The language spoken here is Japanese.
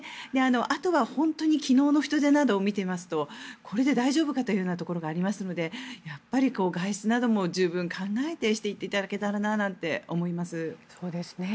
あとは本当に昨日の人出などを見ていますとこれで大丈夫かというところがありますのでやっぱり外出なども十分考えてしていただけたらと思います。